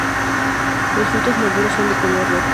Los frutos maduros son de color rojo.